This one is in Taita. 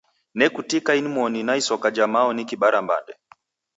Nekutika inmoni na isoka ja mao nikibara mbande